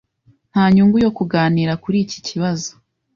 Nta nyungu yo kuganira kuri iki kibazo